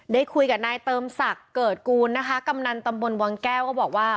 ได้คุยกับนายเติมศักดิ์เกิดกูลนะคะกำนันตำบลวังแก้วก็บอกว่า